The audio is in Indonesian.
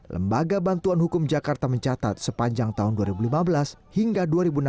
lembaga bantuan hukum jakarta mencatat sepanjang tahun dua ribu lima belas hingga dua ribu enam belas